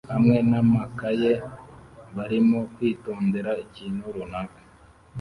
hamwe namakaye barimo kwitondera ikintu runaka